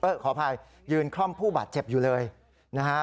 ขออภัยยืนคล่อมผู้บาดเจ็บอยู่เลยนะฮะ